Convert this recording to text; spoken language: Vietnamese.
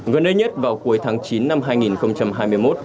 gần nơi nhất vào cuối tháng chín năm hai nghìn hai mươi một